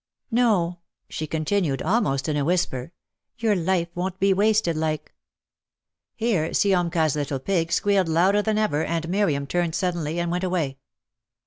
"No," she continued, almost in a whisper, "your life won't be wasted like ." Here Siomka's little pig squealed louder than ever and Miriam turned suddenly and went away.